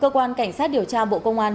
cơ quan cảnh sát điều tra bộ công an